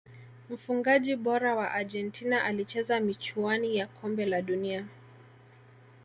mfungaji bora wa argentina alicheza michuani ya kombe la dunia